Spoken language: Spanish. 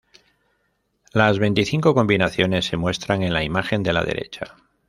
Las veinticinco combinaciones se muestran en la imagen de la derecha.